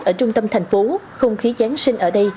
ở trung tâm thành phố không khí giáng sinh ở đây